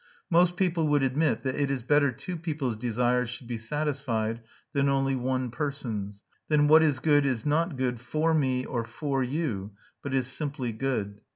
"Most people ... would admit that it is better two people's desires should be satisfied than only one person's.... Then what is good is not good for me or for you, but is simply good."